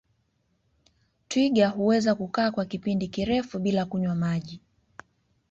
Twiga huweza kukaa kwa kipindi kirefu bila kunywa maji